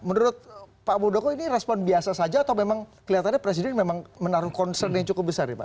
menurut pak muldoko ini respon biasa saja atau memang kelihatannya presiden memang menaruh concern yang cukup besar ya pak